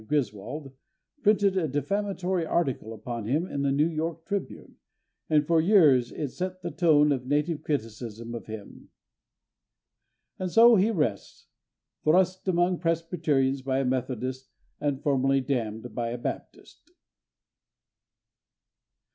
Griswold, printed a defamatory article upon him in the New York Tribune, and for years it set the tone of native criticism of him. And so he rests: thrust among Presbyterians by a Methodist and formally damned by a Baptist.